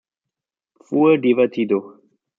Fue divertido.